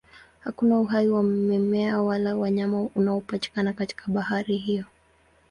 Hakuna uhai wa mimea wala wanyama unaopatikana katika bahari hiyo.